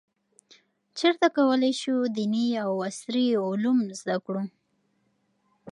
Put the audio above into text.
چیرته کولای شو دیني او عصري علوم زده کړو؟